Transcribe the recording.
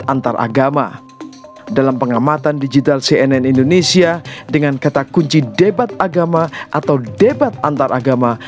antaragama dalam pengamatan digital cnn indonesia dengan kata kunci debat agama atau debat antar agama